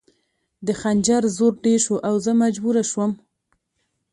د خنجر زور ډېر شو او زه مجبوره شوم